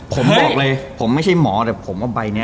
ผมบอกเลยผมไม่ใช่หมอแต่ผมเอาใบนี้